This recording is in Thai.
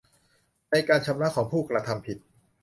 ในการชำระของผู้กระทำผิด